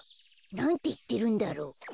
なんていってるんだろう？